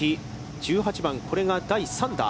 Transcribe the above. １８番、これが第３打。